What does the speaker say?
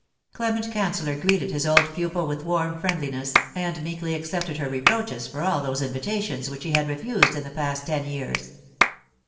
Clement Canceller greeted his old pupil with warm friendli ness, and meekly accepted her reproaches for all those invitation* which he had refused in the past ten years.